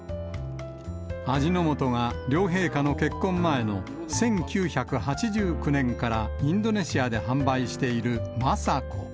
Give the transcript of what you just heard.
味の素が両陛下の結婚前の１９８９年からインドネシアで販売しているマサコ。